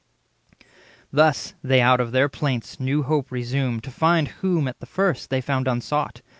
Thus they out of their plaints new hope resume To find whom at the first they found unsought.